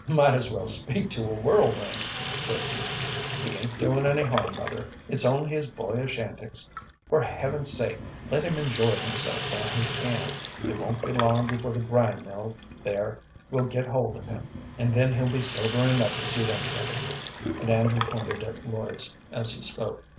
"Might as well speak to a whirlwind," said he. "He ain't doin' any harm, mother; it's only his boyish antics. For Heaven's sake, let him enjoy himself while he can, it won't be long before the grind mill in there will get hold of him, and then he'll be sober enough to suit anybody," and Andrew pointed at Lloyd's as he spoke.